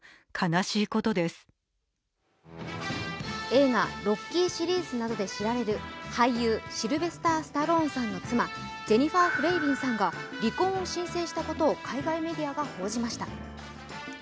映画「ロッキー」シリーズなどで知られる俳優シルベスター・スタローンさんの妻ジェニファー・フレイヴィンさんが離婚を申請したことを海外メディアが報じました。